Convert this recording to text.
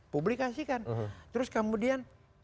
publikasikan terus kemudian